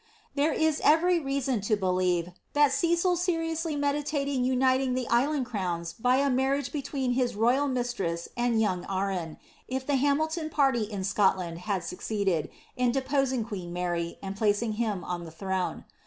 There is every reason to believe, that Cecil seriously meditated uniting the island crowns by a marriage between his royal mistress and young Arran, if the Hamilton party in Scotland had succeeded, in deposing queen Mary, and placing him on the throne.